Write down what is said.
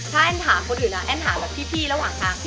ถ้าแอ้นถามคนอื่นนะแอ้นหาแบบพี่ระหว่างทาง